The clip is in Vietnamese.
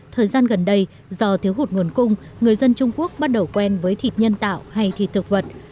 thời gian gần đây do thiếu hụt nguồn cung người dân trung quốc bắt đầu quen với thịt nhân tạo hay thịt thực vật